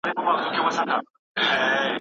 د خلګو د ژوند سطحه باید مخ په ښه کېدو سي.